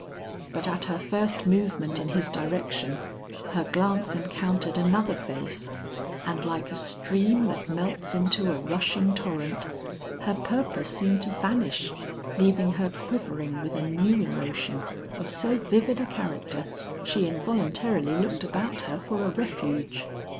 But at her first movement in his direction, her glance encountered another face, and like a stream that melts into a rushing torrent, her purpose seemed to vanish, leaving her quivering with a new emotion of so vivid a character she involuntarily looked about her for a refuge.